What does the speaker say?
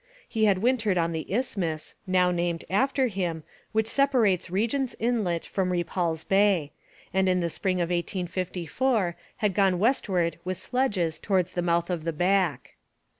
He had wintered on the isthmus (now called after him) which separates Regent's Inlet from Repulse Bay, and in the spring of 1854 had gone westward with sledges towards the mouth of the Back.